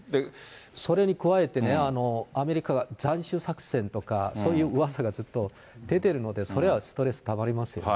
それに加えてね、アメリカが斬首作戦とか、そういううわさがずっと出てるので、それはストレスたまりますよね。